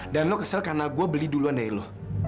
dan lu kesel karena gue beli duluan dari lu